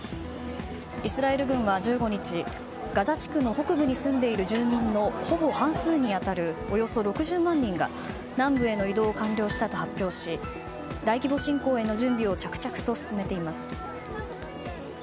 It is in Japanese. イスラエル軍は、１５日ガザ地区の北部に住んでいる住民のほぼ半数に当たるおよそ６０万人が南部への移動を完了したと発表し大規模侵攻への準備を着々と進めています。